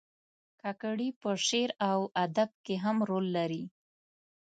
کاکړي په شعر او ادب کې هم رول لري.